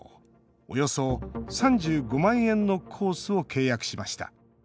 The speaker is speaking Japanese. およそ３５万円のコースを契約しました。